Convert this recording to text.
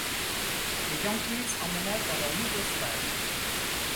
Les Yankees emmènagent dans leur nouveau stade.